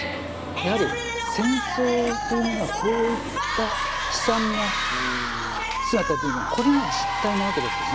やはり戦争というものはこういった悲惨な姿というのはこれが実態なわけですよね。